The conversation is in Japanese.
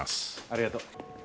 ありがとう。